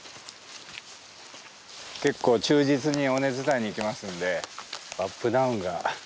結構忠実に尾根伝いに行きますんでアップダウンがありますね。